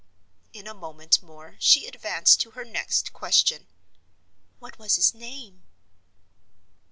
In a moment more she advanced to her next question: "What was his name?"